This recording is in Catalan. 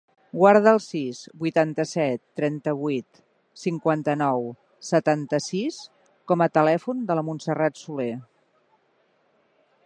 Guarda el sis, vuitanta-set, trenta-vuit, cinquanta-nou, setanta-sis com a telèfon de la Montserrat Soler.